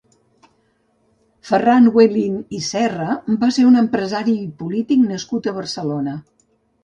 Ferran Huelín i Serra va ser un empresari i polític nascut a Barcelona.